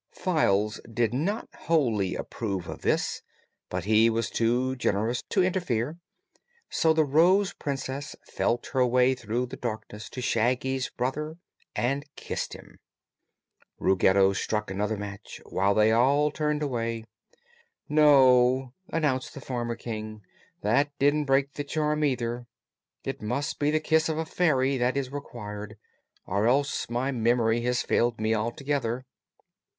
Files did not wholly approve of this, but he was too generous to interfere. So the Rose Princess felt her way through the darkness to Shaggy's brother and kissed him. Ruggedo struck another match, while they all turned away. "No," announced the former King; "that didn't break the charm, either. It must be the kiss of a Fairy that is required or else my memory has failed me altogether."